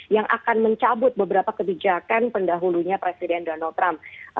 dan mencabut beberapa kebijakan pendahulunya presiden donald trump